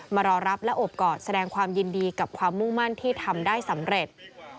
มารอรับและโอบกอดแสดงความยินดีกับความมุ่งมั่นที่ทำได้สำเร็จ